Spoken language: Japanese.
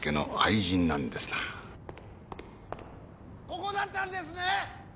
ここだったんですね？